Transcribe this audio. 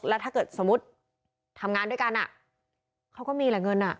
แล้วถ้าเกิดสมมุติทำงานด้วยกันเขาก็มีแหละเงิน